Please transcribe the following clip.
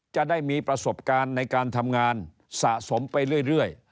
จะได้มีประสบการณ์ในการทำงานสะสมไปเรื่อย